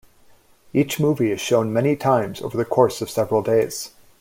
Each movie is shown many times over the course of several days.